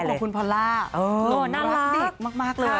ลูกของคุณพอล่าลูกน่ารักเด็กมากค่ะ